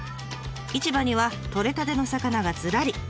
市場には取れたての魚がずらり！